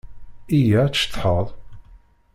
Iyya ad tceḍḥeḍ!